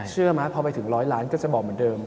เชื่อไหมพอไปถึง๑๐๐ล้านก็จะบอกเหมือนเดิม